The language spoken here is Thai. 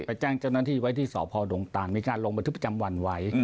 ไปแจ้งเจ้าหน้าที่ไว้ที่สดมีการลงไปทุกประจำวันไว้